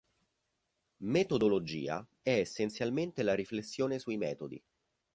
Metodologia è essenzialmente la riflessione sui metodi.